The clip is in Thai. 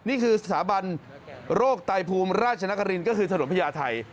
นี่คือสถาบันโรคไตภูมิราชนครินก็คือถนนพญาไทย